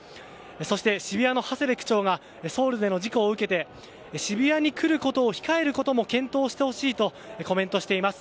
そして、渋谷の長谷部区長がソウルでの事故を受けて渋谷に来ることを控えることも検討してほしいとコメントしています。